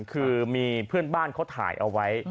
คือมีเพื่อนบ้านเขาถ่ายเอาไว้